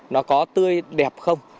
nó có tươi đẹp không